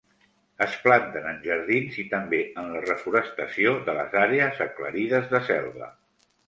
Es planten en jardins i també en la reforestació de les àrees aclarides de selva.